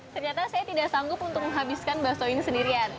ternyata saya tidak sanggup untuk menghabiskan bakso ini sendirian